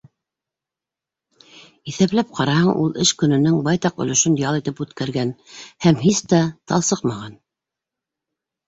Иҫәпләп ҡараһаң, ул эш көнөнөң байтаҡ өлөшөн ял итеп үткәргән һәм һис тә талсыҡмаған.